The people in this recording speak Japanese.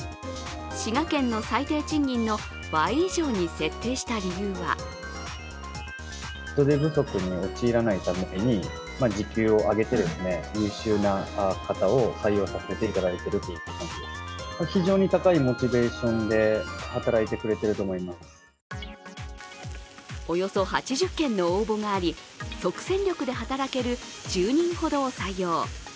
滋賀県の最低賃金の倍以上に設定した理由はおよそ８０件の応募があり、即戦力で働ける１０人ほどを採用。